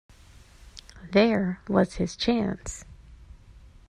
There was his chance.